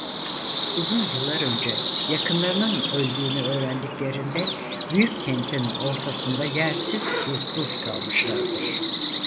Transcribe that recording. Uzun yıllar önce yakınlarının öldüğünü öğrendiklerinde büyük kentin ortasında yersiz yurtsuz kalmışlardır.